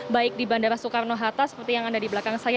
baik di bandara soekarno hatta seperti yang ada di belakang saya